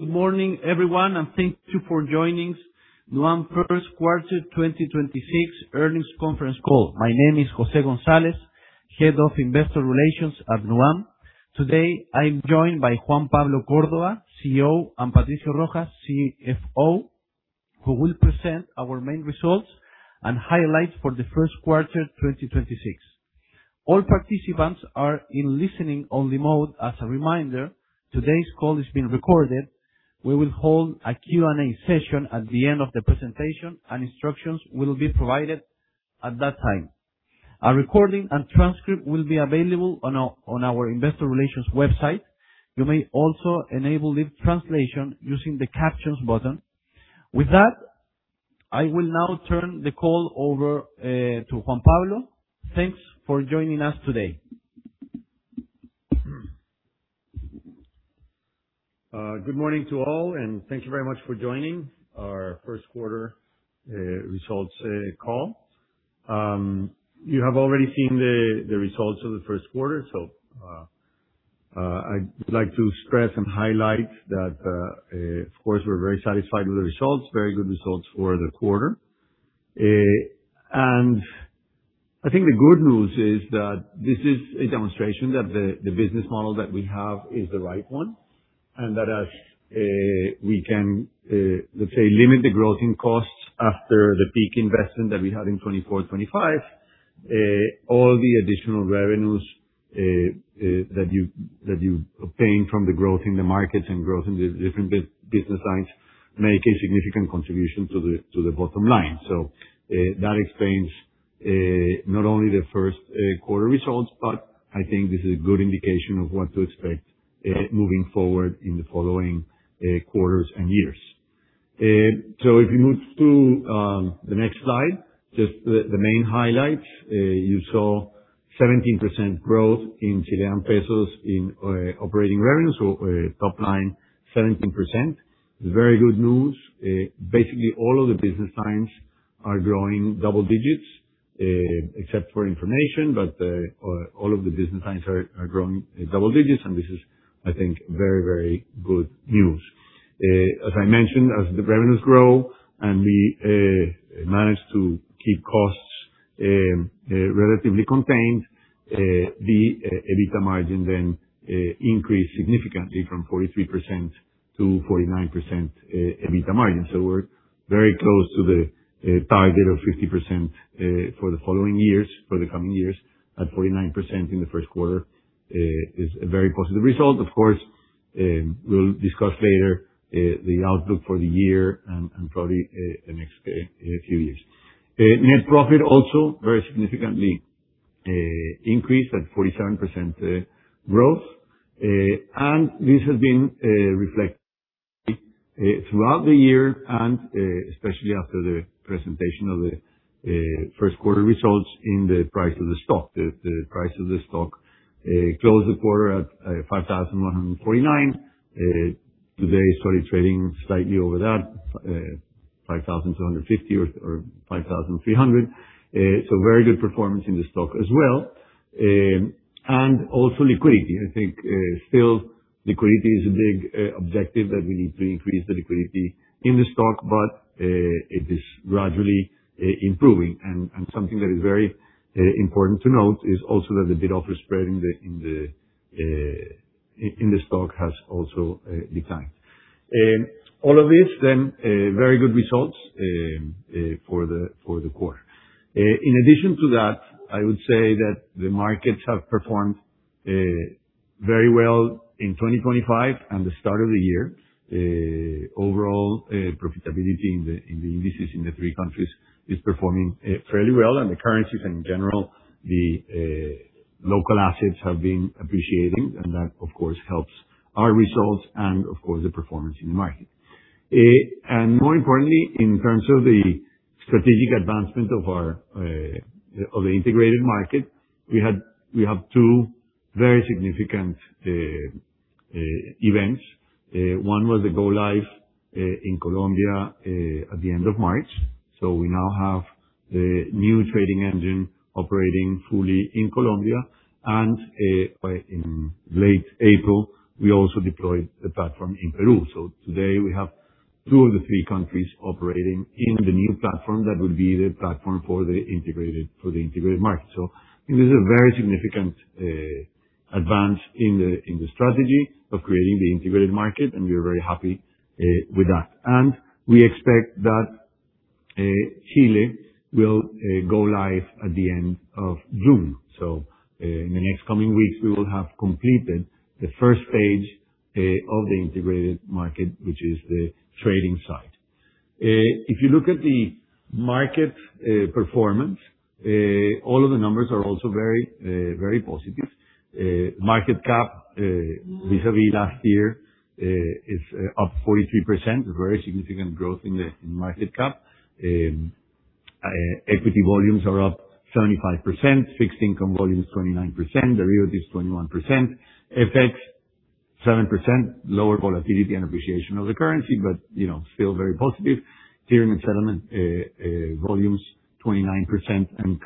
Good morning, everyone, and thank you for joining Nuam first quarter 2026 earnings conference call. My name is Jose Gonzalez, Head of Investor Relations at Nuam. Today, I am joined by Juan Pablo Córdoba, CEO, and Patricio Rojas, CFO, who will present our main results and highlights for the first quarter 2026. All participants are in listening only mode. As a reminder, today's call is being recorded. We will hold a Q&A session at the end of the presentation, and instructions will be provided at that time. A recording and transcript will be available on our investor relations website. You may also enable live translation using the captions button. With that, I will now turn the call over to Juan Pablo. Thanks for joining us today. Good morning to all, and thank you very much for joining our first quarter results call. You have already seen the results of the first quarter. I would like to stress and highlight that, of course, we are very satisfied with the results. Very good results for the quarter. I think the good news is that this is a demonstration that the business model that we have is the right one, and that as we can, let's say, limit the growth in costs after the peak investment that we had in 2024, 2025, all the additional revenues that you obtain from the growth in the markets and growth in the different business lines make a significant contribution to the bottom line. That explains not only the first quarter results, but I think this is a good indication of what to expect moving forward in the following quarters and years. If you move to the next slide, just the main highlights. You saw 17% growth in CLP in operating revenue. Top line, 17%. Very good news. Basically all of the business lines are growing double digits, except for information. All of the business lines are growing double digits, and this is, I think, very good news. As I mentioned, as the revenues grow and we manage to keep costs relatively contained, the EBITDA margin then increased significantly from 43%-49% EBITDA margin. We are very close to the target of 50% for the following years, for the coming years, at 49% in the first quarter is a very positive result. Of course, we will discuss later the outlook for the year and probably the next few years. Net profit also very significantly increased at 47% growth. This has been reflected throughout the year and especially after the presentation of the first quarter results in the price of the stock. The price of the stock closed the quarter at 5,149. Today, it started trading slightly over that, 5,250 or 5,300. Very good performance in the stock as well. Also liquidity. I think still liquidity is a big objective that we need to increase the liquidity in the stock, but it is gradually improving. Something that is very important to note is also that the bid-offer spread in the stock has also declined. All of this, then, very good results for the quarter. In addition to that, I would say that the markets have performed very well in 2025 and the start of the year. Overall profitability in the indices in the three countries is performing fairly well, and the currencies in general, the local assets have been appreciating, and that, of course, helps our results and of course, the performance in the market. More importantly, in terms of the strategic advancement of the integrated market, we have two very significant events. One was the go live in Colombia at the end of March. We now have the new trading engine operating fully in Colombia. In late April, we also deployed the platform in Peru. Today we have two of the three countries operating in the new platform that will be the platform for the integrated market. This is a very significant advance in the strategy of creating the integrated market, and we are very happy with that. We expect that Chile will go live at the end of June. In the next coming weeks, we will have completed the first phase of the integrated market, which is the trading side. If you look at the market performance, all the numbers are also very positive. Market cap vis-à-vis last year is up 43%, a very significant growth in the market cap. Equity volumes are up 75%, fixed income volume is 29%, derivatives 21%, FX 7%, lower volatility and appreciation of the currency, but still very positive. Clearing and settlement volumes 29%, and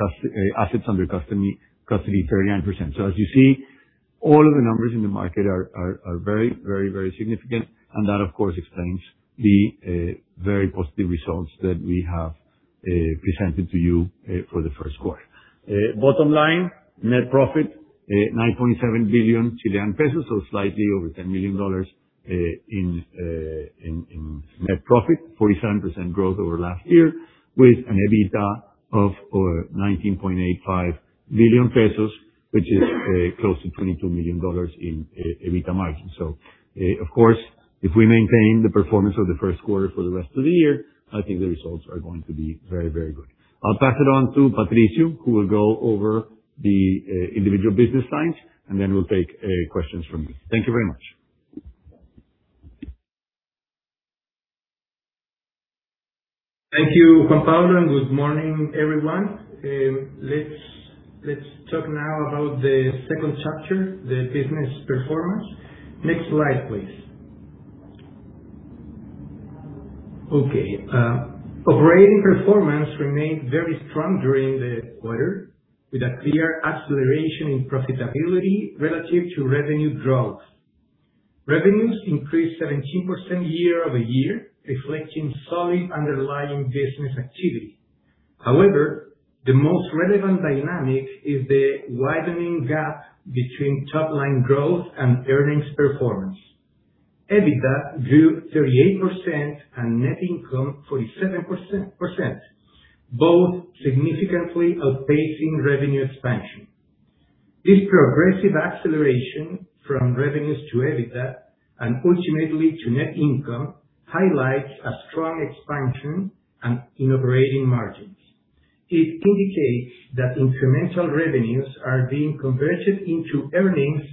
assets under custody, 39%. As you see, all the numbers in the market are very significant. That, of course, explains the very positive results that we have presented to you for the first quarter. Bottom line, net profit, 9.7 billion Chilean pesos, so slightly over $10 million in net profit. 47% growth over last year, with an EBITDA of 19.85 billion pesos, which is close to $22 million in EBITDA margin. Of course, if we maintain the performance of the first quarter for the rest of the year, I think the results are going to be very good. I will pass it on to Patricio, who will go over the individual business lines, and then we will take questions from you. Thank you very much. Thank you, Juan Pablo. Good morning, everyone. Let's talk now about the second chapter, the business performance. Next slide, please. Operating performance remained very strong during the quarter, with a clear acceleration in profitability relative to revenue growth. Revenues increased 17% year-over-year, reflecting solid underlying business activity. However, the most relevant dynamic is the widening gap between top-line growth and earnings performance. EBITDA grew 38% and net income 47%, both significantly outpacing revenue expansion. This progressive acceleration from revenues to EBITDA and ultimately to net income highlights a strong expansion in operating margins. It indicates that incremental revenues are being converted into earnings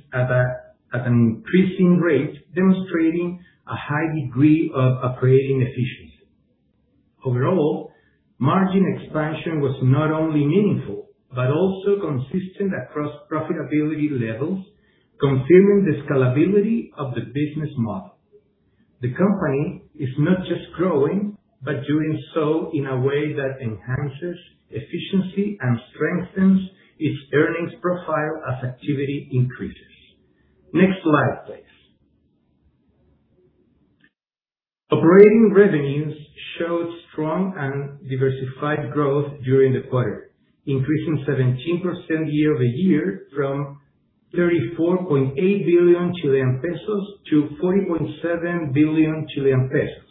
at an increasing rate, demonstrating a high degree of operating efficiency. Overall, margin expansion was not only meaningful but also consistent across profitability levels, confirming the scalability of the business model. The company is not just growing, but doing so in a way that enhances efficiency and strengthens its earnings profile as activity increases. Next slide, please. Operating revenues showed strong and diversified growth during the quarter, increasing 17% year-over-year from 34.8 billion Chilean pesos to 40.7 billion Chilean pesos,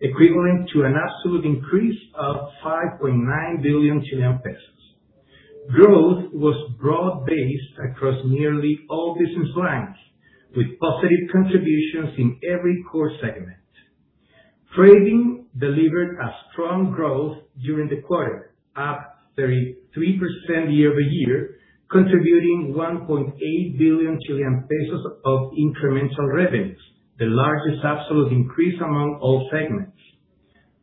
equivalent to an absolute increase of 5.9 billion Chilean pesos. Growth was broad-based across nearly all business lines, with positive contributions in every core segment. Trading delivered a strong growth during the quarter, up 33% year-over-year, contributing 1.8 billion Chilean pesos of incremental revenues, the largest absolute increase among all segments.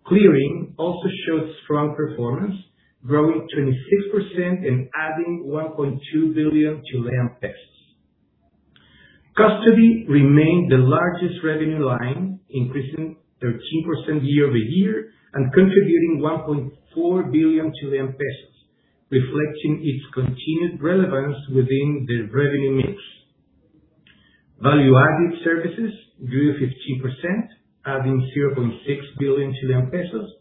Clearing also showed strong performance, growing 26% and adding CLP 1.2 billion. Custody remained the largest revenue line, increasing 13% year-over-year and contributing 1.4 billion Chilean pesos, reflecting its continued relevance within the revenue mix. Value-added services grew 15%, adding 0.6 billion Chilean pesos,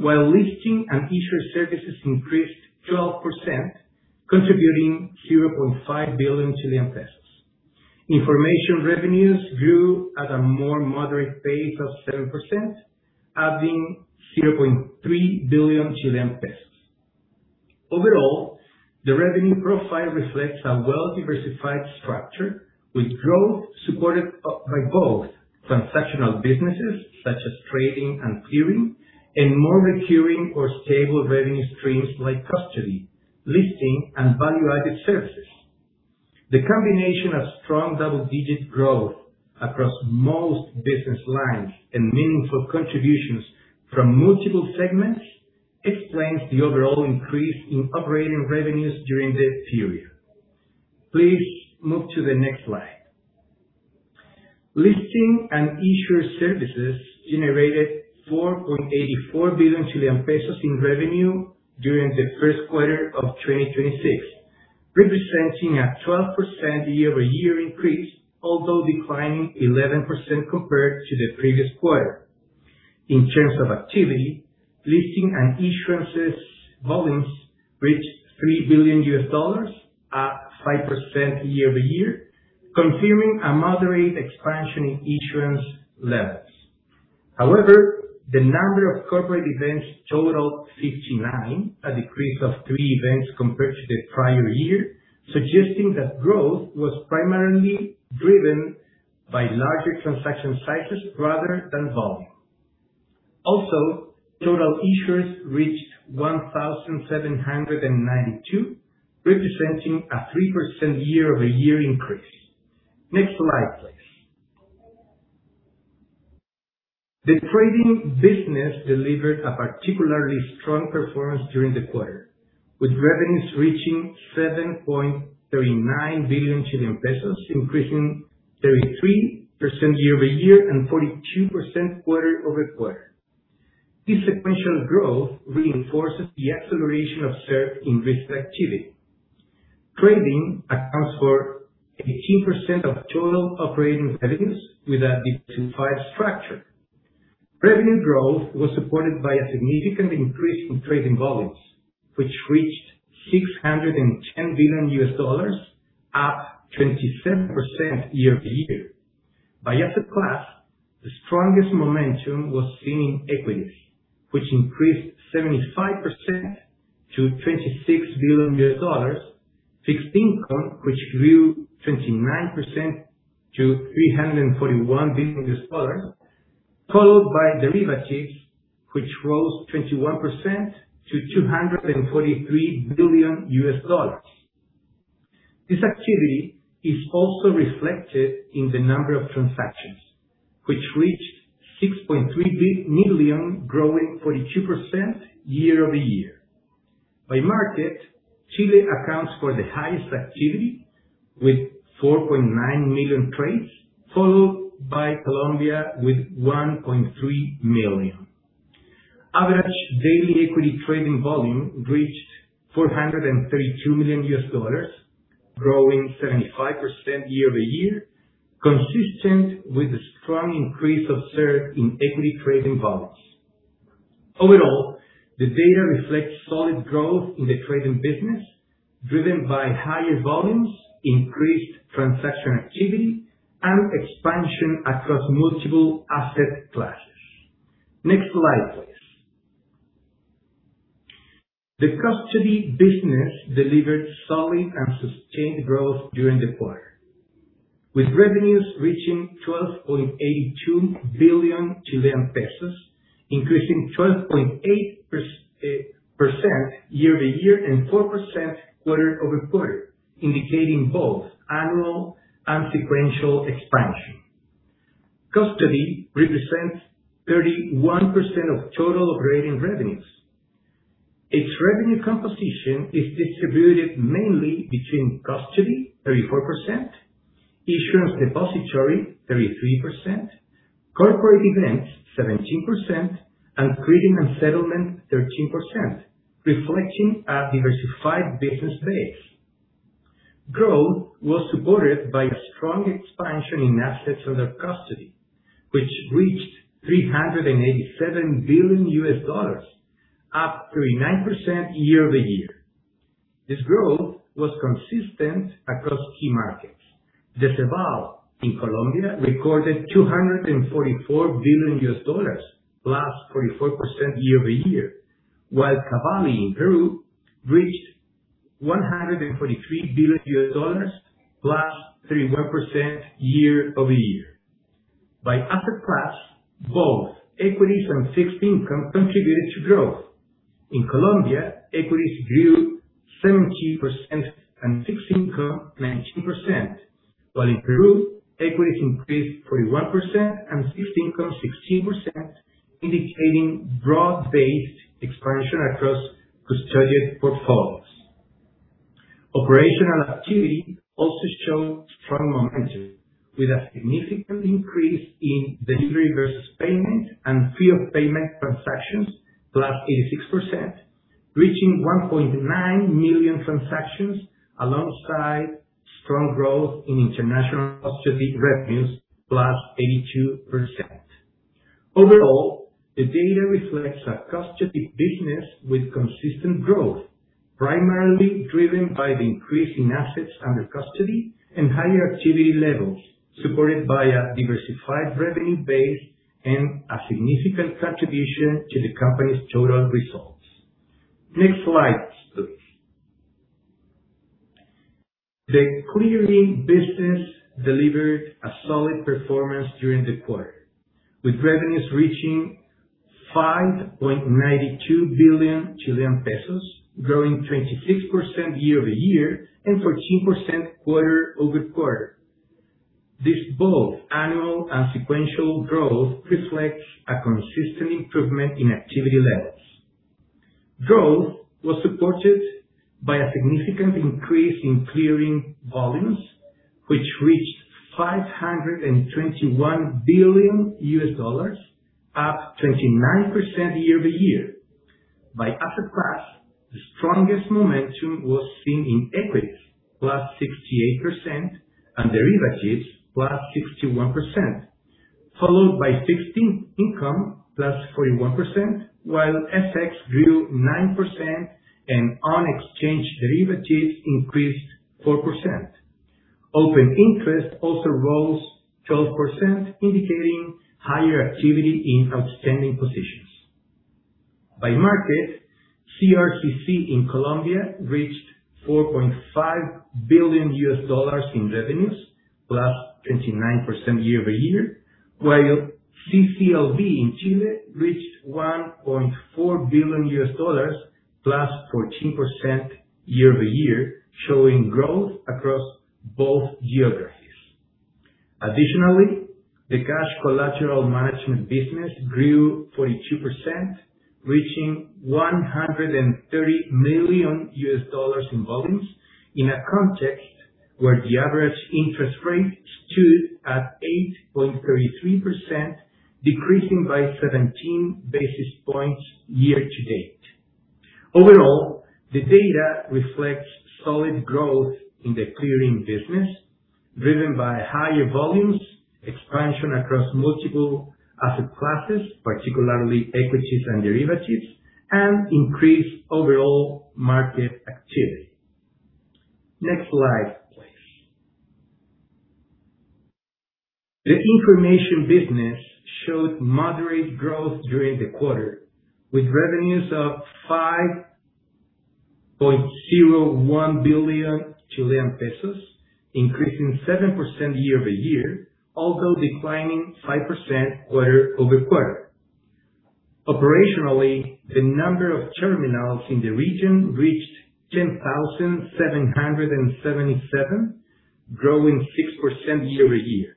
while listing and issuer services increased 12%, contributing 0.5 billion Chilean pesos. Information revenues grew at a more moderate pace of 7%, adding 0.3 billion Chilean pesos. Overall, the revenue profile reflects a well-diversified structure with growth supported by both transactional businesses such as trading and clearing, and more recurring or stable revenue streams like custody, listing, and value-added services. The combination of strong double-digit growth across most business lines and meaningful contributions from multiple segments explains the overall increase in operating revenues during this period. Please move to the next slide. Listing and issuer services generated 4.84 billion Chilean pesos in revenue during the first quarter of 2026, representing a 12% year-over-year increase, although declining 11% compared to the previous quarter. In terms of activity, listing and issuances volumes reached $3 billion, up 5% year-over-year, confirming a moderate expansion in issuance levels. The number of corporate events totaled 59, a decrease of three events compared to the prior year, suggesting that growth was primarily driven by larger transaction sizes rather than volume. Total issuers reached 1,792, representing a 3% year-over-year increase. Next slide, please. The trading business delivered a particularly strong performance during the quarter, with revenues reaching 7.39 billion Chilean pesos, increasing 33% year-over-year and 42% quarter-over-quarter. This sequential growth reinforces the acceleration observed in risk activity. Trading accounts for 18% of total operating revenues, with a diversified structure. Revenue growth was supported by a significant increase in trading volumes, which reached $610 billion, up 27% year-over-year. By asset class, the strongest momentum was seen in equities, which increased 75% to $26 billion, fixed income, which grew 29% to $341 billion, followed by derivatives, which rose 21% to $243 billion. This activity is also reflected in the number of transactions, which reached 6.3 million, growing 42% year-over-year. By market, Chile accounts for the highest activity with 4.9 million trades, followed by Colombia with 1.3 million. Average daily equity trading volume reached $432 million, growing 75% year-over-year, consistent with the strong increase observed in equity trading volumes. Overall, the data reflects solid growth in the trading business, driven by higher volumes, increased transaction activity, and expansion across multiple asset classes. Next slide, please. The custody business delivered solid and sustained growth during the quarter, with revenues reaching 12.82 billion Chilean pesos, increasing 12.8% year-over-year and 4% quarter-over-quarter, indicating both annual and sequential expansion. Custody represents 31% of total operating revenues. Its revenue composition is distributed mainly between custody 34%, issuance depository 33%, corporate events 17%, and clearing and settlement 13%, reflecting a diversified business base. Growth was supported by a strong expansion in assets under custody, which reached $387 billion, up 39% year-over-year. This growth was consistent across key markets. DECEVAL in Colombia recorded $244 billion, +44% year-over-year, while Cavali S.A. ICLV in Peru reached $143 billion, +31% year-over-year. By asset class, both equities and fixed income contributed to growth. In Colombia, equities grew 17% and fixed income 19%, while in Peru, equities increased 41% and fixed income 16%, indicating broad-based expansion across custodial portfolios. Operational activity also showed strong momentum, with a significant increase in delivery versus payment and free of payment transactions, +86%, reaching 1.9 million transactions alongside strong growth in international custody revenues, +82%. Overall, the data reflects a custody business with consistent growth, primarily driven by the increase in assets under custody and higher activity levels, supported by a diversified revenue base and a significant contribution to the company's total results. Next slide, please. The clearing business delivered a solid performance during the quarter, with revenues reaching 5.92 billion Chilean pesos, growing 26% year-over-year and 14% quarter-over-quarter. This both annual and sequential growth reflects a consistent improvement in activity levels. Growth was supported by a significant increase in clearing volumes, which reached $521 billion, up 29% year-over-year. By asset class, the strongest momentum was seen in equities +68%, and derivatives +61%, followed by fixed income +41%, while FX grew 9% and OTC derivatives increased 4%. Open interest also rose 12%, indicating higher activity in outstanding positions. By market, Cámara de Riesgo Central de Contraparte de Colombia S.A. in Colombia reached $4.5 billion in revenues, +29% year-over-year, while CCLV in Chile reached $1.4 billion, +14% year-over-year, showing growth across both geographies. Additionally, the cash collateral management business grew 42%, reaching $130 million in volumes in a context where the average interest rate stood at 8.33%, decreasing by 17 basis points year-to-date. Overall, the data reflects solid growth in the clearing business, driven by higher volumes, expansion across multiple asset classes, particularly equities and derivatives, and increased overall market activity. Next slide, please. The information business showed moderate growth during the quarter, with revenues of 5.01 billion Chilean pesos, increasing 7% year-over-year, although declining 5% quarter-over-quarter. Operationally, the number of terminals in the region reached 10,777, growing 6% year-over-year.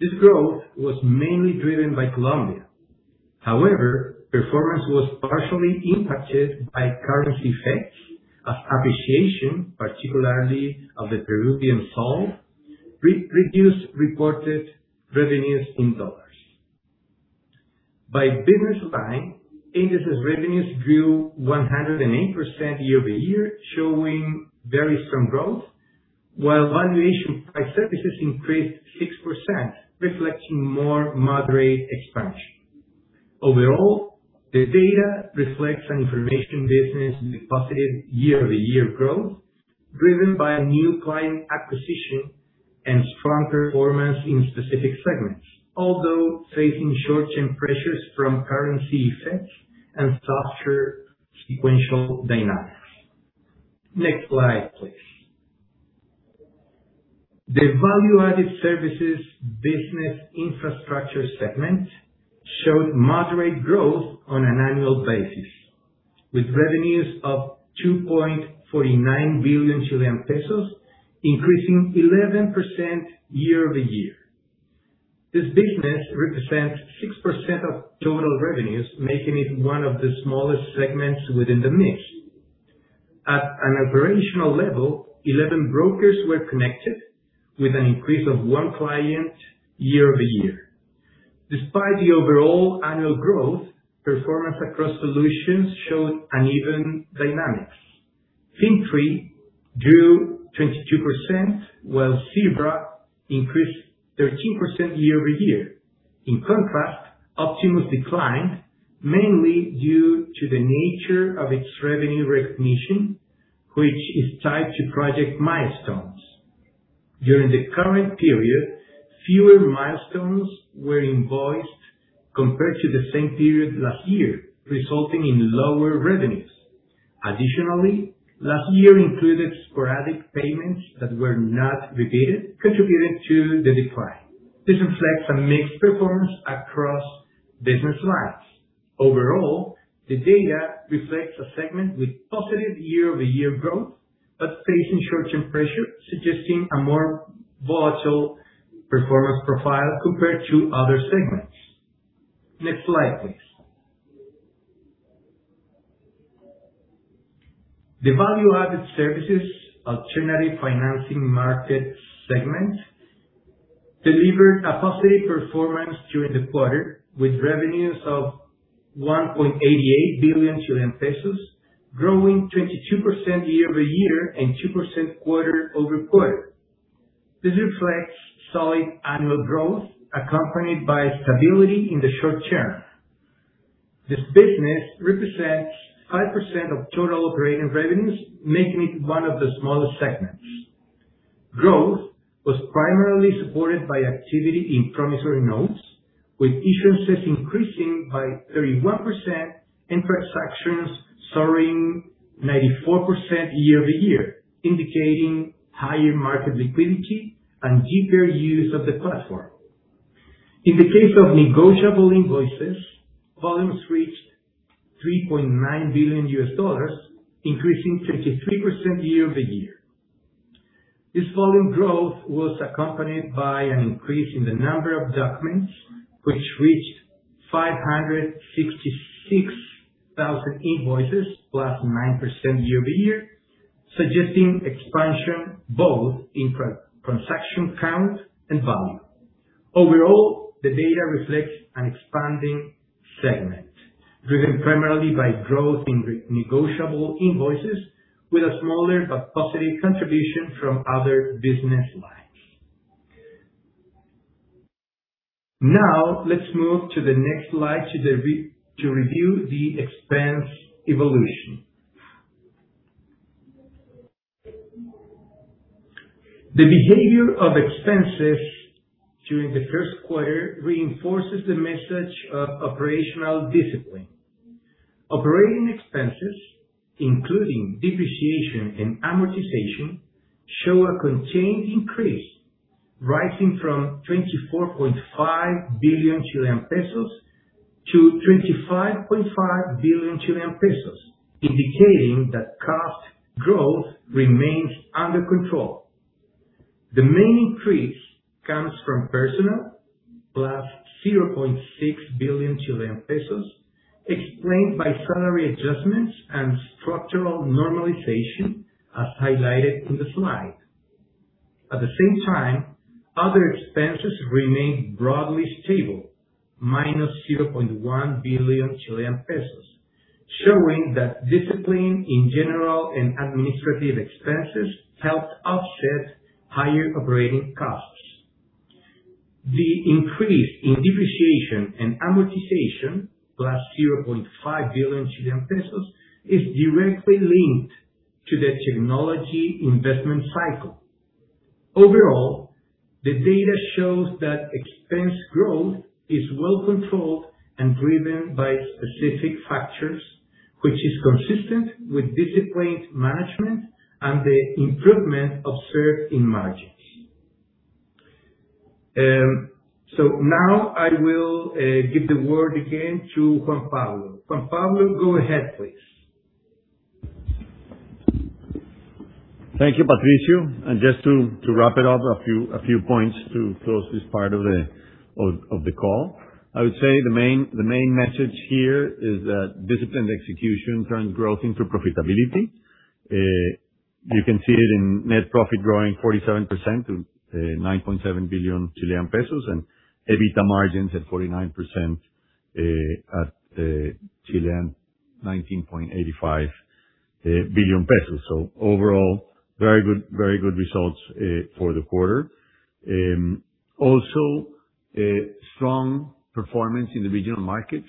This growth was mainly driven by Colombia. However, performance was partially impacted by currency effects as appreciation, particularly of the Peruvian sol, reduced reported revenues in USD. By business line, indices revenues grew 108% year-over-year, showing very strong growth, while valuation price services increased 6%, reflecting more moderate expansion. Overall, the data reflects an information business with positive year-over-year growth driven by new client acquisition and strong performance in specific segments, although facing short-term pressures from currency effects and softer sequential dynamics. Next slide, please. The value-added services business infrastructure segment showed moderate growth on an annual basis, with revenues of 2.49 billion Chilean pesos, increasing 11% year-over-year. This business represents 6% of total revenues, making it one of the smallest segments within the mix. At an operational level, 11 brokers were connected, with an increase of one client year-over-year. Despite the overall annual growth, performance across solutions showed uneven dynamics. FinTree grew 22%, while Zebra increased 13% year-over-year. In contrast, Optimus declined mainly due to the nature of its revenue recognition, which is tied to project milestones. During the current period, fewer milestones were invoiced compared to the same period last year, resulting in lower revenues. Additionally, last year included sporadic payments that were not repeated, contributing to the decline. This reflects a mixed performance across business lines. Overall, the data reflects a segment with positive year-over-year growth, but facing short-term pressure, suggesting a more volatile performance profile compared to other segments. Next slide, please. The value-added services Alternative Financing Markets segment delivered a positive performance during the quarter, with revenues of 1.88 billion Chilean pesos, growing 22% year-over-year and 2% quarter-over-quarter. This reflects solid annual growth accompanied by stability in the short term. This business represents 5% of total operating revenues, making it one of the smallest segments. Growth was primarily supported by activity in promissory notes, with issuances increasing by 31% and transactions soaring 94% year-over-year, indicating higher market liquidity and deeper use of the platform. In the case of negotiable invoices, volumes reached $3.9 billion, increasing 33% year-over-year. This volume growth was accompanied by an increase in the number of documents, which reached 566,000 invoices, +9% year-over-year, suggesting expansion both in transaction count and volume. Overall, the data reflects an expanding segment driven primarily by growth in negotiable invoices with a smaller but positive contribution from other business lines. Let's move to the next slide to review the expense evolution. The behavior of expenses during the first quarter reinforces the message of operational discipline. Operating expenses, including depreciation and amortization, show a contained increase, rising from 24.5 billion Chilean pesos to 25.5 billion Chilean pesos, indicating that cost growth remains under control. The main increase comes from personnel 0.6 billion Chilean pesos explained by salary adjustments and structural normalization, as highlighted in the slide. Other expenses remained broadly stable, -0.1 billion Chilean pesos, showing that discipline in general and administrative expenses helped offset higher operating costs. The increase in depreciation and amortization, +0.5 billion Chilean pesos, is directly linked to the technology investment cycle. The data shows that expense growth is well controlled and driven by specific factors, which is consistent with disciplined management and the improvement observed in margins. Now I will give the word again to Juan Pablo. Juan Pablo, go ahead, please. Thank you, Patricio. Just to wrap it up, a few points to close this part of the call. I would say the main message here is that disciplined execution turns growth into profitability. You can see it in net profit growing 47% to 9.7 billion Chilean pesos and EBITDA margins at 49% at 19.85 billion pesos. Overall, very good results for the quarter. Strong performance in the regional markets.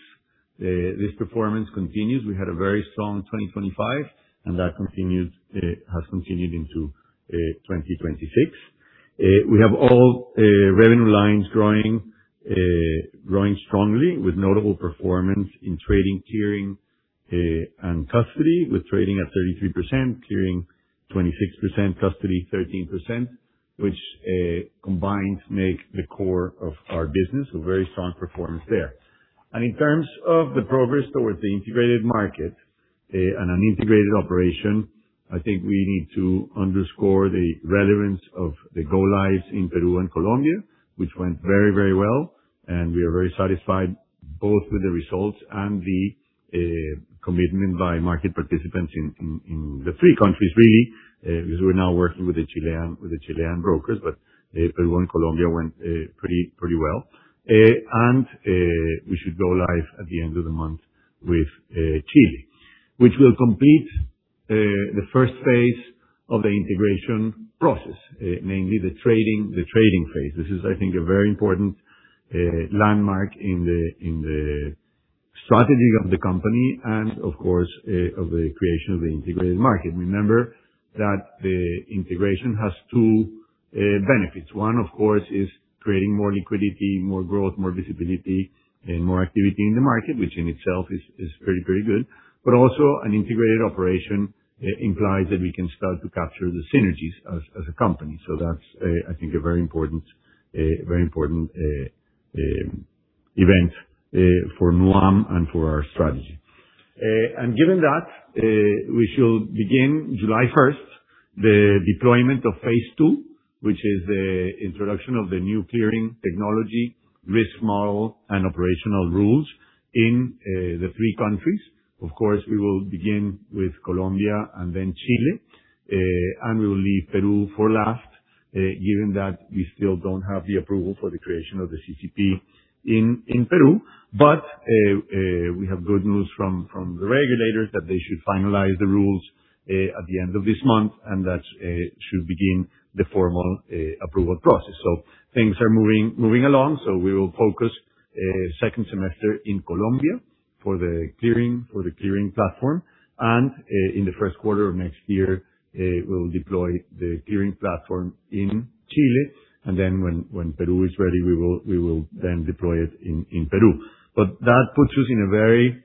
This performance continues. We had a very strong 2025, and that has continued into 2026. We have all revenue lines growing strongly with notable performance in trading, clearing, and custody, with trading at 33%, clearing 26%, custody 13%, which, combined make the core of our business, a very strong performance there. In terms of the progress towards the integrated market and an integrated operation, I think we need to underscore the relevance of the go-lives in Peru and Colombia, which went very well. We are very satisfied both with the results and the commitment by market participants in the three countries, really, because we're now working with the Chilean brokers. Peru and Colombia went pretty well. We should go live at the end of the month with Chile, which will complete the phase 1 of the integration process, namely the trading phase. This is, I think, a very important landmark in the strategy of the company and of course of the creation of the integrated market. Remember that the integration has two benefits. One, of course, is creating more liquidity, more growth, more visibility, and more activity in the market, which in itself is very good. Also an integrated operation implies that we can start to capture the synergies as a company. That's, I think, a very important event for Nuam and for our strategy. Given that, we shall begin July 1st, the deployment of phase 2, which is the introduction of the new clearing technology, risk model, and operational rules in the three countries. Of course, we will begin with Colombia and then Chile, and we will leave Peru for last, given that we still don't have the approval for the creation of the CCP in Peru. We have good news from the regulators that they should finalize the rules at the end of this month, and that should begin the formal approval process. Things are moving along. We will focus second semester in Colombia for the clearing platform. In the first quarter of next year, we'll deploy the clearing platform in Chile. Then when Peru is ready, we will then deploy it in Peru. That puts us in a very,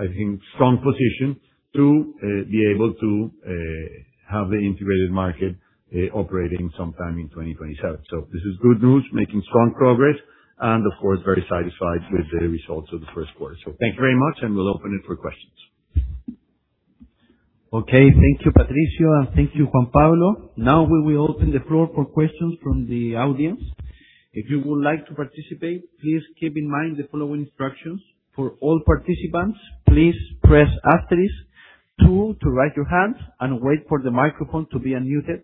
I think, strong position to be able to have the integrated market operating sometime in 2027. This is good news, making strong progress and, of course, very satisfied with the results of the first quarter. Thank you very much, and we'll open it for questions. Okay. Thank you, Patricio, and thank you, Juan Pablo. Now we will open the floor for questions from the audience. If you would like to participate, please keep in mind the following instructions. For all participants, please press asterisk 2 to raise your hand and wait for the microphone to be unmuted.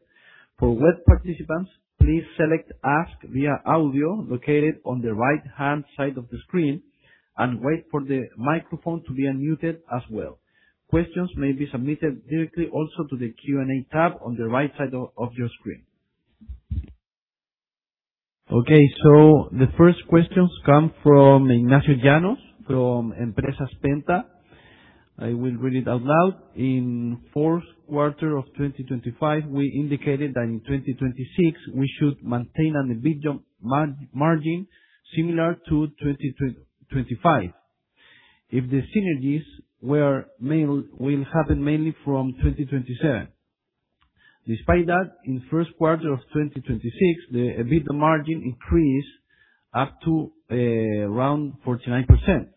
For web participants, please select Ask via Audio located on the right-hand side of the screen and wait for the microphone to be unmuted as well. Questions may be submitted directly also to the Q&A tab on the right side of your screen. The first questions come from Ignacio Llanos from Empresas Penta. I will read it out loud. In fourth quarter of 2025, we indicated that in 2026, we should maintain an EBITDA margin similar to 2025 if the synergies will happen mainly from 2027. Despite that, in first quarter of 2026, the EBITDA margin increased up to around 49%.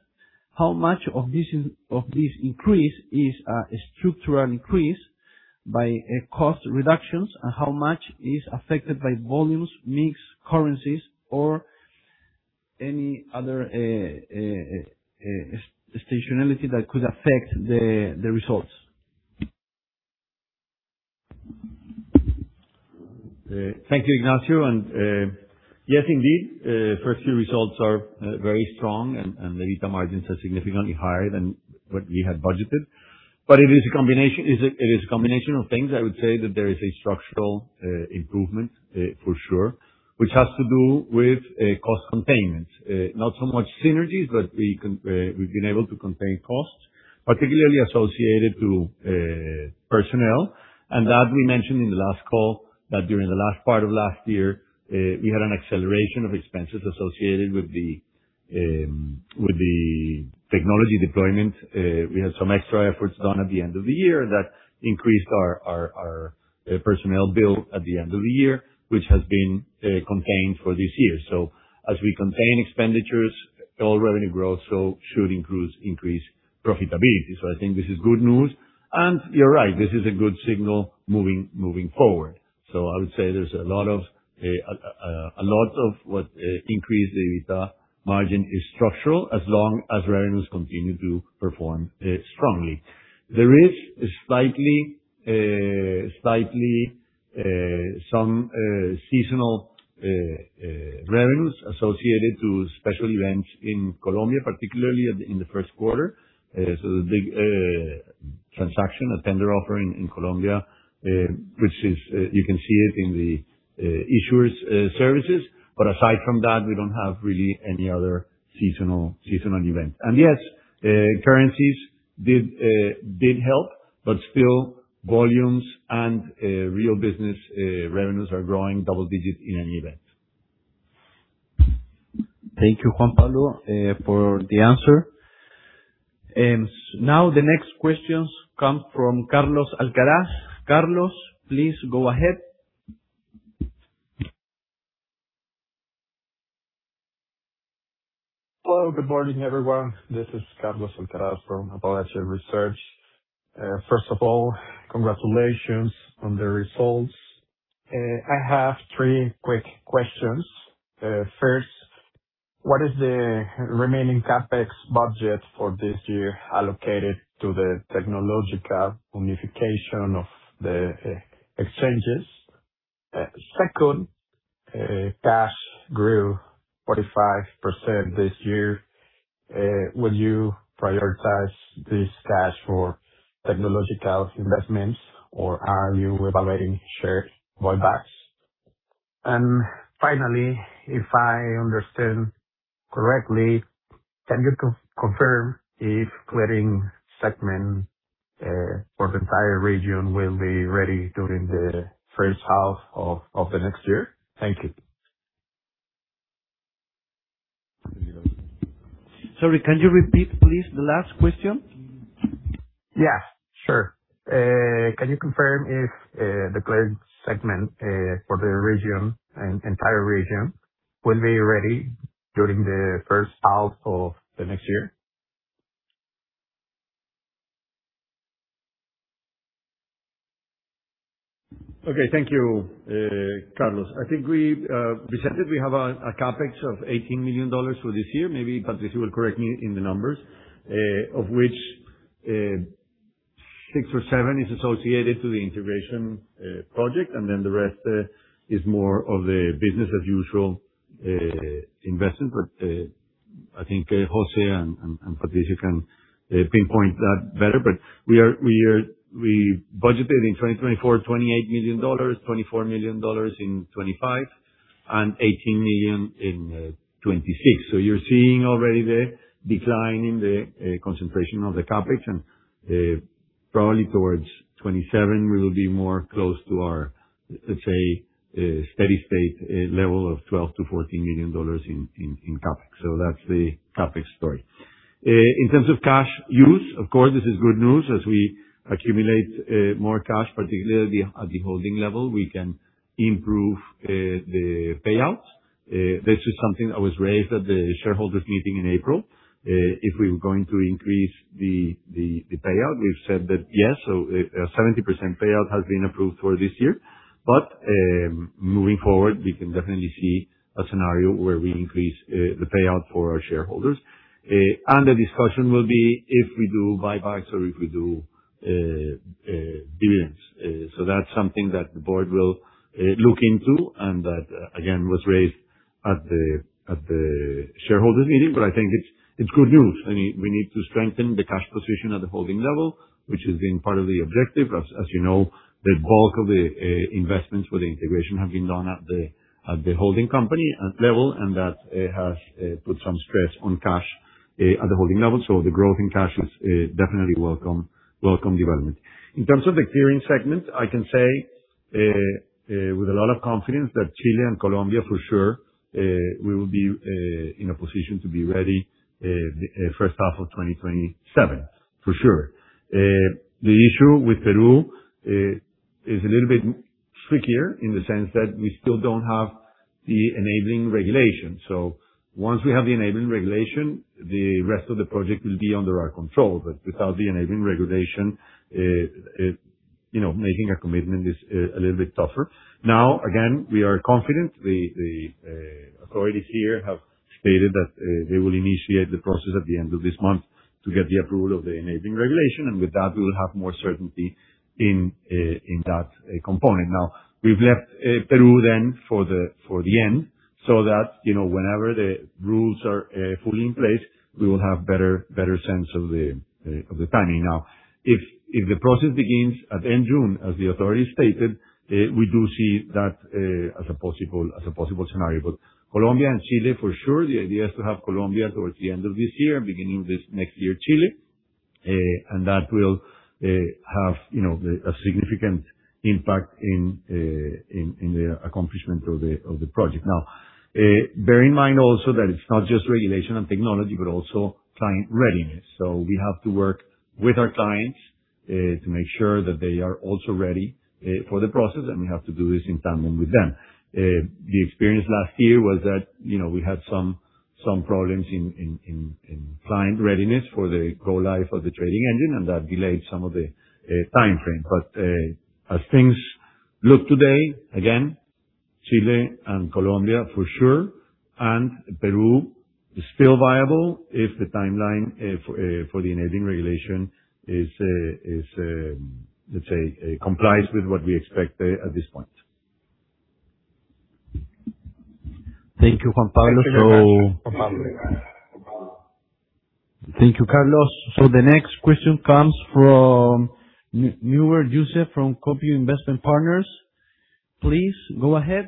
How much of this increase is a structural increase by cost reductions, and how much is affected by volumes, mix, currencies, or any other seasonality that could affect the results? Thank you, Ignacio. Yes, indeed, the first few results are very strong and the EBITDA margins are significantly higher than what we had budgeted. It is a combination of things. I would say that there is a structural improvement, for sure, which has to do with cost containment. Not so much synergies, but we've been able to contain costs, particularly associated to personnel. That we mentioned in the last call, that during the last part of last year, we had an acceleration of expenses associated with the technology deployment. We had some extra efforts done at the end of the year that increased our personnel bill at the end of the year, which has been contained for this year. As we contain expenditures, all revenue growth should increase profitability. I think this is good news. You're right, this is a good signal moving forward. I would say there's a lot of what increased the EBITDA margin is structural, as long as revenues continue to perform strongly. There is slightly some seasonal revenues associated to special events in Colombia, particularly in the first quarter. The big transaction, a tender offering in Colombia, which you can see it in the issuers services. Aside from that, we don't have really any other seasonal event. Yes, currencies did help, but still volumes and real business revenues are growing double digits in any event. Thank you, Juan Pablo, for the answer. Now the next questions come from Carlos Alcaraz. Carlos, please go ahead. Hello. Good morning, everyone. This is Carlos Alcaraz from Appalachia Research. First of all, congratulations on the results. I have three quick questions. First, what is the remaining CapEx budget for this year allocated to the technological unification of the exchanges? Second, cash grew 45% this year. Will you prioritize this cash for technological investments, or are you evaluating share buybacks? Finally, if I understand correctly, can you confirm if clearing segment for the entire region will be ready during the first half of the next year? Thank you. Sorry, can you repeat, please, the last question? Yeah, sure. Can you confirm if the clearing segment for the entire region will be ready during the first half of the next year? Okay. Thank you, Carlos. I think we presented we have a CapEx of $18 million for this year, maybe Patricio will correct me in the numbers, of which six or seven is associated to the integration project. The rest is more of the business as usual investment. I think Jose and Patricio can pinpoint that better. We budgeted in 2024, $28 million, $24 million in 2025, and $18 million in 2026. You're seeing already the decline in the concentration of the CapEx, and probably towards 2027, we will be more close to our, let's say, steady state level of $12 million-$14 million in CapEx. That's the CapEx story. In terms of cash use, of course, this is good news as we accumulate more cash, particularly at the holding level, we can improve the payouts. This is something that was raised at the shareholders' meeting in April, if we were going to increase the payout. We've said that, yes, a 70% payout has been approved for this year. Moving forward, we can definitely see a scenario where we increase the payout for our shareholders. The discussion will be if we do buybacks or if we do dividends. That's something that the board will look into, and that, again, was raised at the shareholders' meeting. I think it's good news. We need to strengthen the cash position at the holding level, which has been part of the objective. As you know, the bulk of the investments for the integration have been done at the holding company level, and that has put some stress on cash at the holding level. The growth in cash is definitely welcome development. In terms of the clearing segment, I can say with a lot of confidence that Chile and Colombia, for sure, we will be in a position to be ready the first half of 2027, for sure. The issue with Peru is a little bit trickier in the sense that we still don't have the enabling regulation. Once we have the enabling regulation, the rest of the project will be under our control. Without the enabling regulation, making a commitment is a little bit tougher. Now, again, we are confident. The authorities here have stated that they will initiate the process at the end of this month to get the approval of the enabling regulation, and with that, we will have more certainty in that component. We've left Peru for the end, so that whenever the rules are fully in place, we will have better sense of the timing. If the process begins at end June as the authorities stated, we do see that as a possible scenario. Colombia and Chile, for sure, the idea is to have Colombia towards the end of this year and beginning this next year, Chile, and that will have a significant impact in the accomplishment of the project. Bear in mind also that it's not just regulation and technology, but also client readiness. We have to work with our clients to make sure that they are also ready for the process, and we have to do this in tandem with them. The experience last year was that we had some problems in client readiness for the go-live of the trading engine, and that delayed some of the timeframe. As things look today, again, Chile and Colombia for sure, and Peru is still viable if the timeline for the enabling regulation complies with what we expect at this point. Thank you, Juan Pablo. Thank you. Thank you, Carlos. The next question comes from Newell Yusef from Copia Investment Partners. Please go ahead.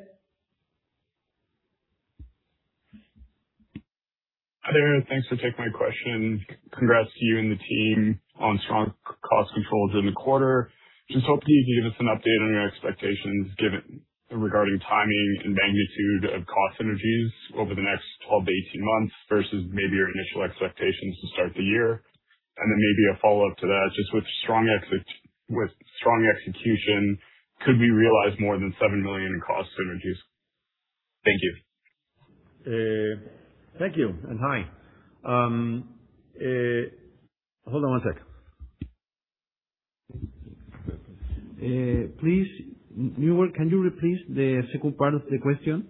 Hi there. Thanks for taking my question. Congrats to you and the team on strong cost controls in the quarter. Hoping you could give us an update on your expectations regarding timing and magnitude of cost synergies over the next 12-18 months versus maybe your initial expectations to start the year. Maybe a follow-up to that, with strong execution, could we realize more than 7 million in cost synergies? Thank you. Thank you. Hi. Hold on one sec. Please, Newell, can you repeat the second part of the question?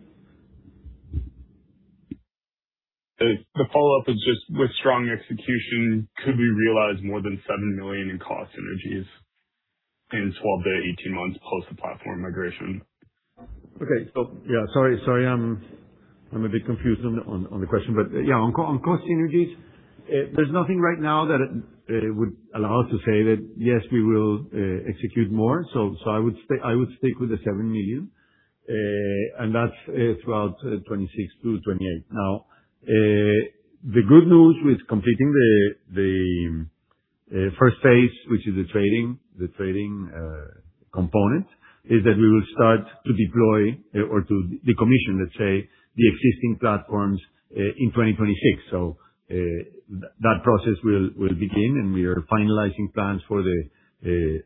The follow-up is just, with strong execution, could we realize more than 7 million in cost synergies in 12 to 18 months post the platform migration? Okay. Sorry, I'm a bit confused on the question. On cost synergies, there's nothing right now that would allow us to say that, yes, we will execute more. I would stick with the 7 million, and that's throughout 2026 to 2028. The good news with completing the first phase, which is the trading component, is that we will start to deploy or to decommission, let's say, the existing platforms in 2026. That process will begin, and we are finalizing plans for the data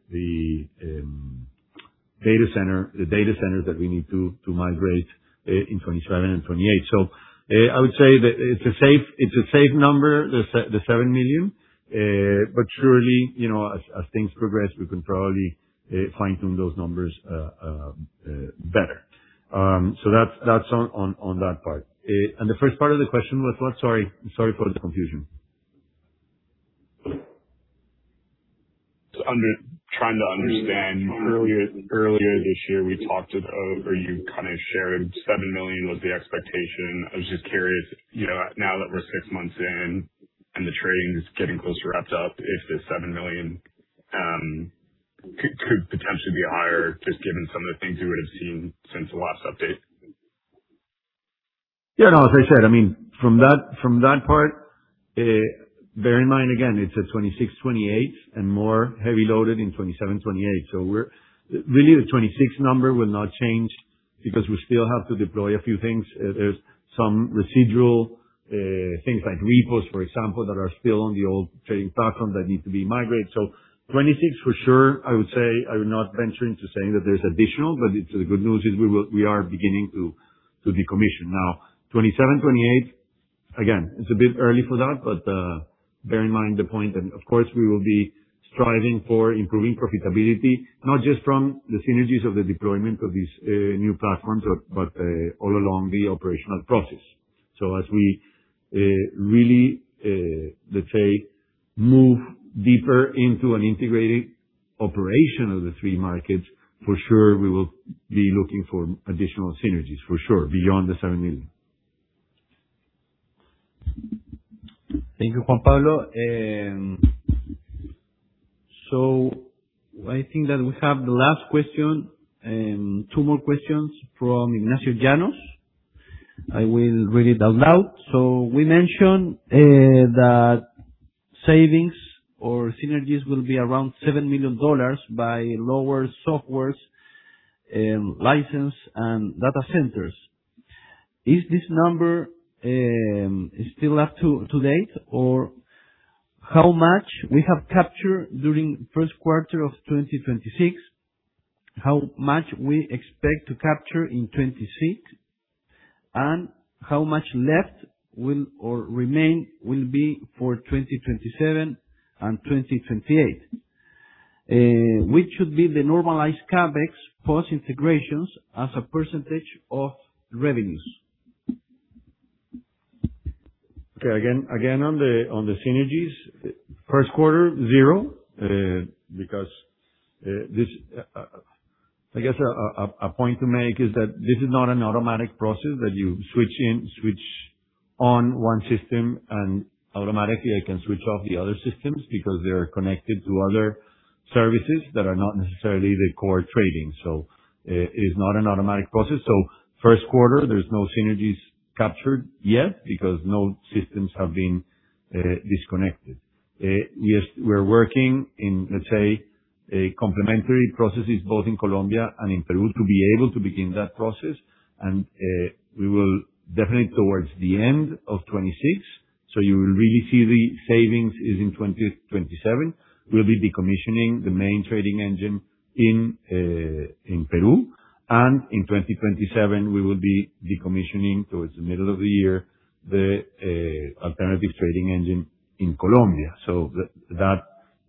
centers that we need to migrate in 2027 and 2028. I would say that it's a safe number, the 7 million. Surely, as things progress, we can probably fine-tune those numbers better. That's on that part. The first part of the question was what? Sorry for the confusion. I'm just trying to understand. Earlier this year, we talked about, or you kind of shared 7 million was the expectation. I was just curious, now that we're six months in and the trading is getting close to wrapped up, if the 7 million could potentially be higher, just given some of the things we would have seen since the last update. Yeah, no, as I said, from that part, bear in mind, again, it's a 2026, 2028 and more heavy loaded in 2027, 2028. Really the 2026 number will not change because we still have to deploy a few things. There's some residual things like repos, for example, that are still on the old trading platform that need to be migrated. 2026 for sure, I would say I would not venture into saying that there's additional, the good news is we are beginning to decommission. 2027, 2028, again, it's a bit early for that, bear in mind the point and, of course, we will be striving for improving profitability, not just from the synergies of the deployment of these new platforms, but all along the operational process. As we really, let's say, move deeper into an integrated operation of the three markets, for sure, we will be looking for additional synergies, for sure, beyond the $7 million. Thank you, Juan Pablo. I think that we have the last question, two more questions from Ignacio Llanos. I will read it out loud. We mentioned that savings or synergies will be around $7 million by lower softwares, license, and data centers. Is this number still up to date? How much we have captured during first quarter of 2026, how much we expect to capture in 2026, and how much left or remain will be for 2027 and 2028? Which should be the normalized CapEx post-integrations as a percentage of revenues? Okay. Again, on the synergies, first quarter, zero. Because I guess a point to make is that this is not an automatic process that you switch on one system and automatically it can switch off the other systems because they're connected to other services that are not necessarily the core trading. It is not an automatic process. First quarter, there's no synergies captured yet because no systems have been disconnected. We're working in, let's say, complementary processes both in Colombia and in Peru to be able to begin that process. We will definitely towards the end of 2026. You will really see the savings is in 2027. We'll be decommissioning the main trading engine in Peru. In 2027, we will be decommissioning, towards the middle of the year, the alternative trading engine in Colombia.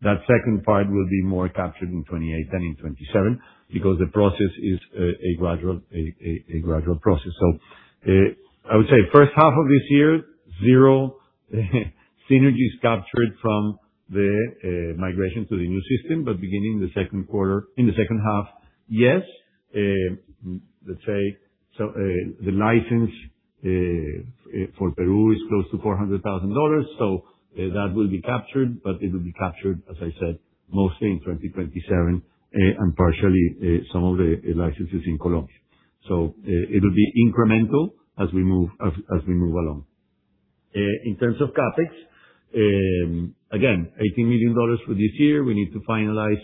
That second part will be more captured in 2028 than in 2027 because the process is a gradual process. I would say first half of this year, zero synergies captured from the migration to the new system. Beginning the second half, yes. Let's say, the license for Peru is close to $400,000, so that will be captured, but it will be captured, as I said, mostly in 2027, and partially, some of the licenses in Colombia. It will be incremental as we move along. In terms of CapEx, again, $18 million for this year. We need to finalize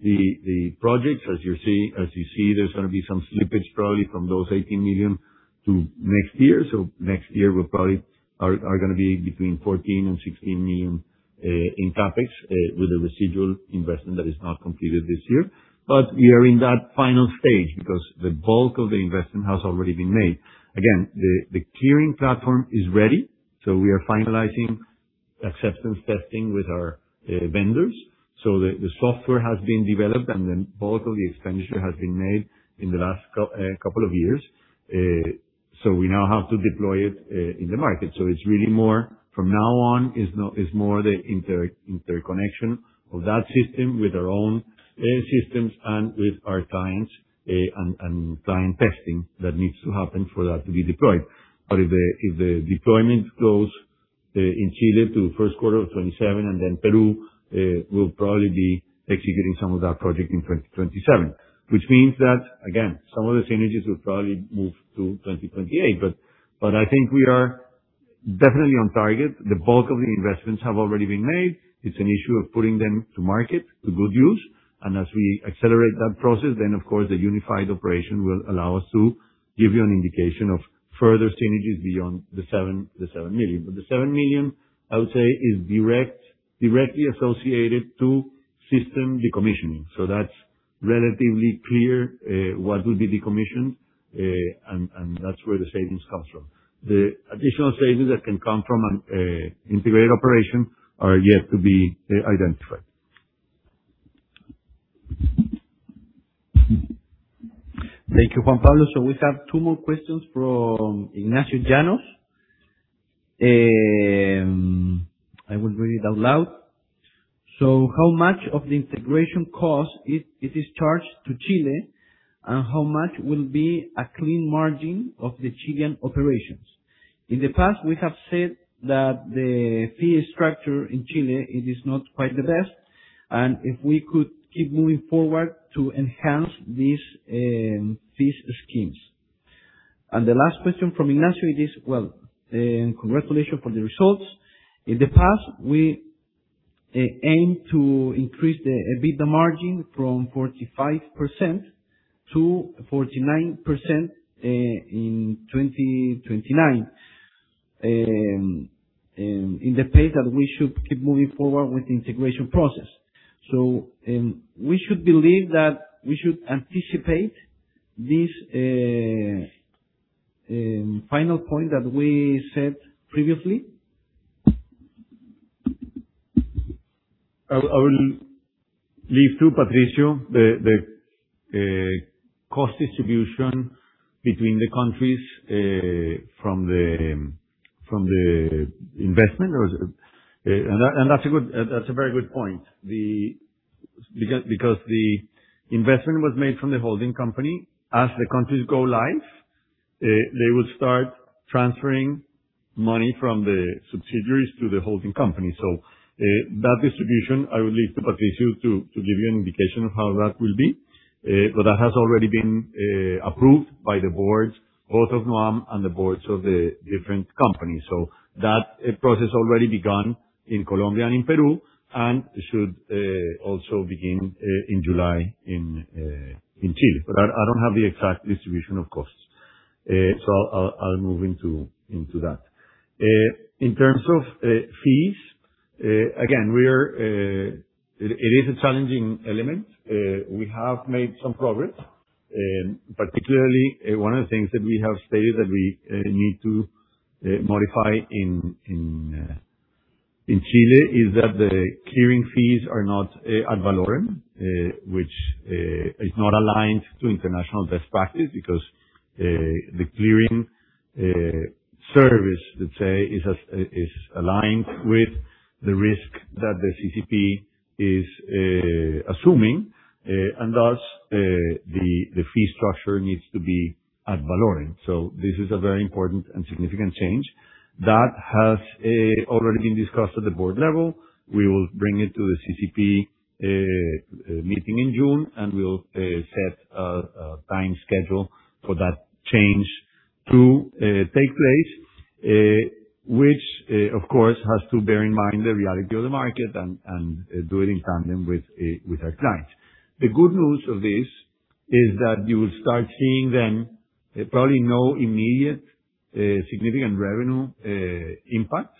the projects. As you see, there's going to be some slippage probably from those $18 million to next year. Next year, we probably are going to be between $14 million-$16 million in CapEx, with a residual investment that is not completed this year. We are in that final stage because the bulk of the investment has already been made. Again, the clearing platform is ready. We are finalizing acceptance testing with our vendors. The software has been developed, and then bulk of the expenditure has been made in the last couple of years. We now have to deploy it in the market. It's really more, from now on, is more the interconnection of that system with our own systems and with our clients, and client testing that needs to happen for that to be deployed. If the deployment goes in Chile to first quarter of 2027, and then Peru, we'll probably be executing some of that project in 2027. Which means that, again, some of the synergies will probably move to 2028. I think we are definitely on target. The bulk of the investments have already been made. It's an issue of putting them to market, to good use. As we accelerate that process, then of course, the unified operation will allow us to give you an indication of further synergies beyond the 7 million. The 7 million, I would say, is directly associated to system decommissioning. That's relatively clear, what will be decommissioned, and that's where the savings comes from. The additional savings that can come from an integrated operation are yet to be identified. Thank you, Juan Pablo. We have two more questions from Ignacio Llanos. I will read it out loud. How much of the integration cost is discharged to Chile, and how much will be a clean margin of the Chilean operations? In the past, we have said that the fee structure in Chile, it is not quite the best, and if we could keep moving forward to enhance these schemes. The last question from Ignacio is, well, congratulations for the results. In the past, we aim to increase the EBITDA margin from 45% to 49% in 2029, in the pace that we should keep moving forward with the integration process. We should believe that we should anticipate this final point that we set previously? I will leave to Patricio the cost distribution between the countries from the investment. That's a very good point. The investment was made from the holding company. As the countries go live, they will start transferring money from the subsidiaries to the holding company. That distribution, I would leave to Patricio to give you an indication of how that will be. That has already been approved by the boards, both of nuam and the boards of the different companies. That process already begun in Colombia and in Peru, and should also begin in July in Chile. I don't have the exact distribution of costs. I'll move into that. In terms of fees, again, it is a challenging element. We have made some progress. Particularly, one of the things that we have stated that we need to modify in Chile is that the clearing fees are not ad valorem, which is not aligned to international best practice, because the clearing service, let's say, is aligned with the risk that the CCP is assuming. Thus, the fee structure needs to be ad valorem. This is a very important and significant change. That has already been discussed at the board level. We will bring it to the CCP meeting in June, and we'll set a time schedule for that change to take place, which, of course, has to bear in mind the reality of the market and do it in tandem with our clients. The good news of this is that you will start seeing then probably no immediate significant revenue impact.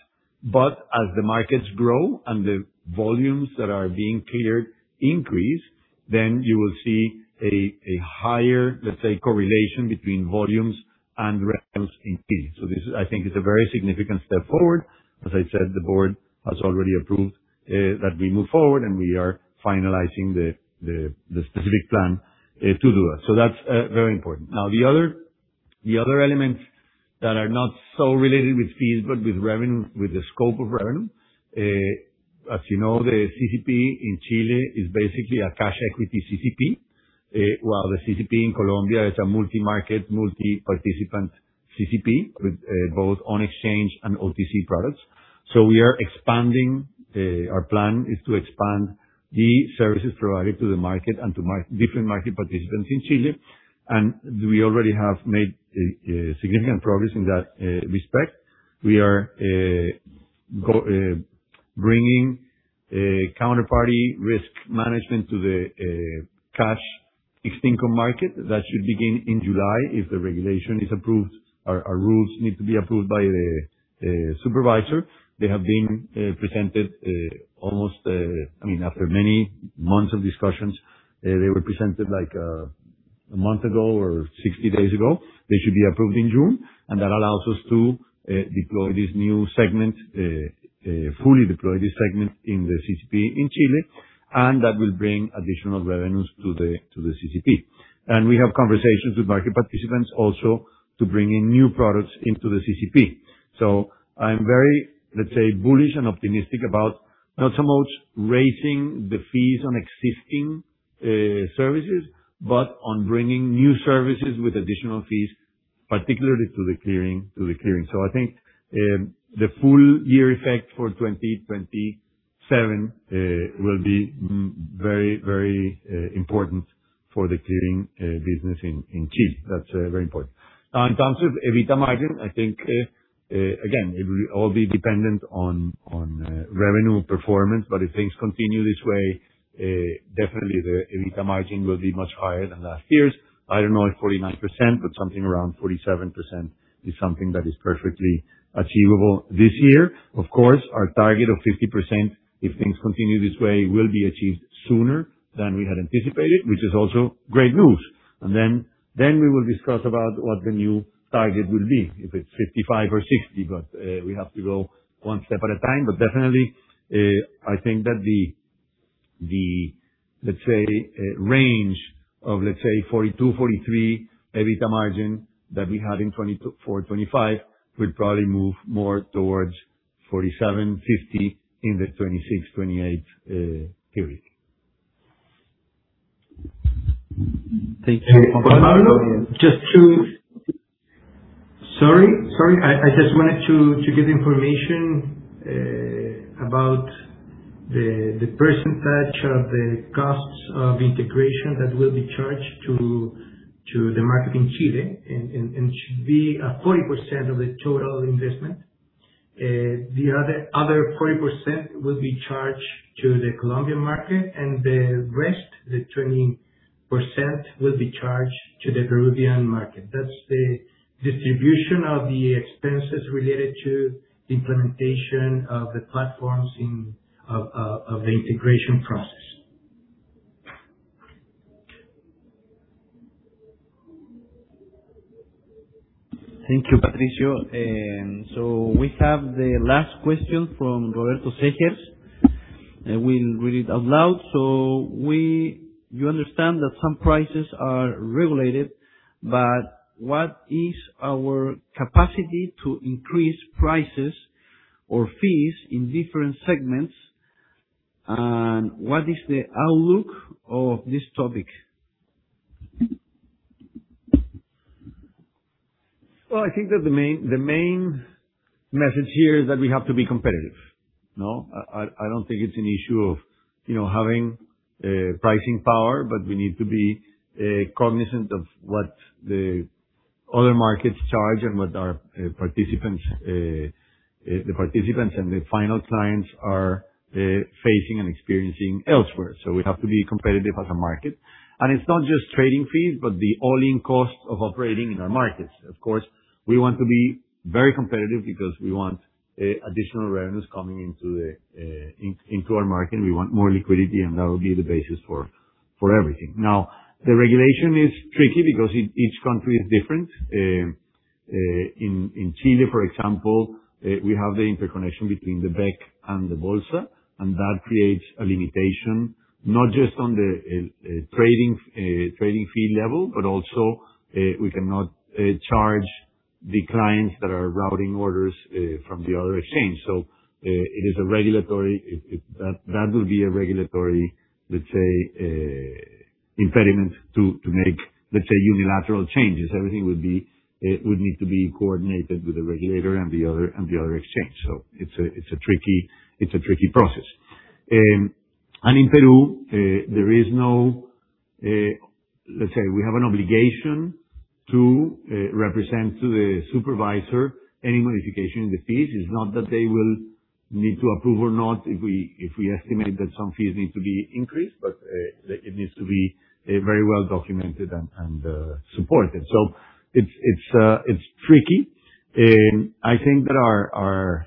As the markets grow and the volumes that are being cleared increase, then you will see a higher, let's say, correlation between volumes and revenues in fees. This, I think, is a very significant step forward. As I said, the board has already approved that we move forward, and we are finalizing the specific plan to do that. That's very important. Now, the other elements that are not so related with fees, but with the scope of revenue. As you know, the CCP in Chile is basically a cash equity CCP, while the CCP in Colombia is a multi-market, multi-participant CCP with both on-exchange and OTC products. We are expanding. Our plan is to expand the services provided to the market and to different market participants in Chile, and we already have made significant progress in that respect. We are bringing counterparty risk management to the cash equity market. That should begin in July if the regulation is approved. Our rules need to be approved by the supervisor. After many months of discussions, they were presented a month ago or 60 days ago. They should be approved in June, and that allows us to fully deploy this new segment in the CCP in Chile, and that will bring additional revenues to the CCP. I'm very bullish and optimistic about not so much raising the fees on existing services, but on bringing new services with additional fees, particularly to the clearing. I think the full year effect for 2027 will be very important for the clearing business in Chile. That's very important. Now, in terms of EBITDA margin, I think, again, it will all be dependent on revenue performance. If things continue this way, definitely the EBITDA margin will be much higher than last year's. I don't know if 49%, but something around 47% is something that is perfectly achievable this year. Of course, our target of 50%, if things continue this way, will be achieved sooner than we had anticipated, which is also great news. We will discuss about what the new target will be, if it's 55 or 60. We have to go one step at a time. Definitely, I think that the range of, let's say, 42, 43 EBITDA margin that we had in 2024, 2025, will probably move more towards 47, 50 in the 2026, 2028 period. Thank you. Juan Pablo Córdoba, Sorry. I just wanted to give information about the percentage of the costs of integration that will be charged to the market in Chile. It should be 40% of the total investment. The other 40% will be charged to the Colombian market. The rest, the 20%, will be charged to the Peruvian market. That's the distribution of the expenses related to the implementation of the platforms of the integration process. Thank you, Patricio. We have the last question from Roberto Sejes. I will read it out loud. You understand that some prices are regulated, what is our capacity to increase prices or fees in different segments, and what is the outlook of this topic? Well, I think that the main message here is that we have to be competitive. I don't think it's an issue of having pricing power, but we need to be cognizant of what other markets charge and what the participants and the final clients are facing and experiencing elsewhere. We have to be competitive as a market. It's not just trading fees, but the all-in cost of operating in our markets. Of course, we want to be very competitive because we want additional revenues coming into our market. We want more liquidity, and that will be the basis for everything. The regulation is tricky because each country is different. In Chile, for example, we have the interconnection between the BVC and the Bolsa, that creates a limitation, not just on the trading fee level, but also we cannot charge the clients that are routing orders from the other exchange. That will be a regulatory, let's say, impediment to make, let's say, unilateral changes. Everything would need to be coordinated with the regulator and the other exchange. It's a tricky process. In Peru, let's say, we have an obligation to represent to the supervisor any modification in the fees. It's not that they will need to approve or not if we estimate that some fees need to be increased, but it needs to be very well documented and supported. It's tricky. I think that,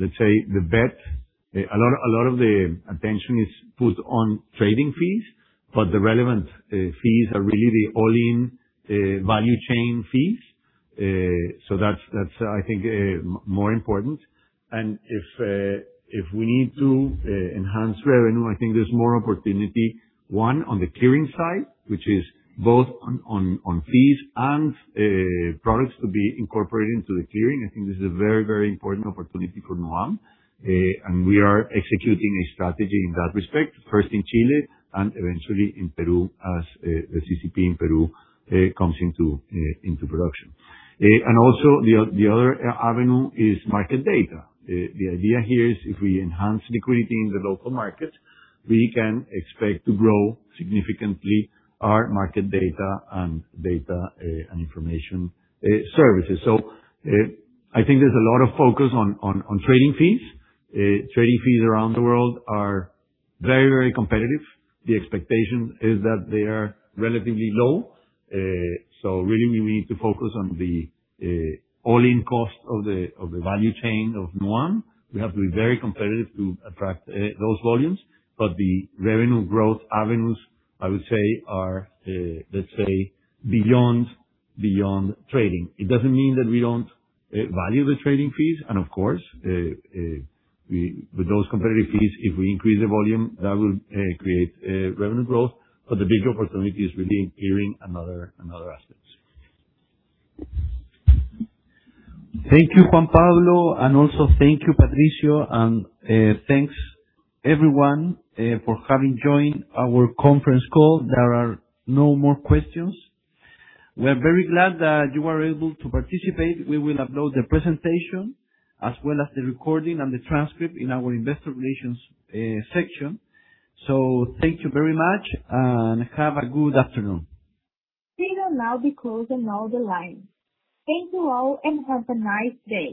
let's say, the bet, a lot of the attention is put on trading fees, but the relevant fees are really the all-in value chain fees. That's I think more important. If we need to enhance revenue, I think there's more opportunity, one, on the clearing side, which is both on fees and products to be incorporated into the clearing. I think this is a very important opportunity for Nuam. We are executing a strategy in that respect, first in Chile and eventually in Peru as the CCP in Peru comes into production. Also the other avenue is market data. The idea here is if we enhance liquidity in the local market, we can expect to grow significantly our market data and information services. I think there's a lot of focus on trading fees. Trading fees around the world are very competitive. The expectation is that they are relatively low. Really, we need to focus on the all-in cost of the value chain of Nuam. We have to be very competitive to attract those volumes. The revenue growth avenues, I would say, are let's say beyond trading. It doesn't mean that we don't value the trading fees, of course, with those competitive fees, if we increase the volume, that will create revenue growth. The big opportunity is really in clearing and other aspects. Thank you, Juan Pablo, also thank you, Patricio, thanks everyone for having joined our conference call. There are no more questions. We're very glad that you were able to participate. We will upload the presentation as well as the recording and the transcript in our investor relations section. Thank you very much, have a good afternoon. We will now be closing all the lines. Thank you all and have a nice day.